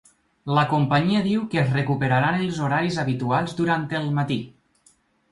La companyia diu que es recuperaran els horaris habituals durant el matí.